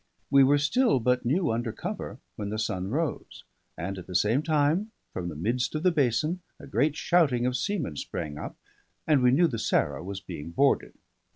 We were still but new under cover when the sun rose; and at the same time, from the midst of the basin, a great shouting of seamen sprang up, and we knew the Sarah was being boarded.